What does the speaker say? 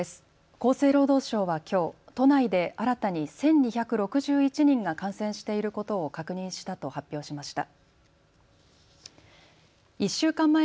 厚生労働省はきょう都内で新たに１２６１人が感染していることを確認したと発表しました。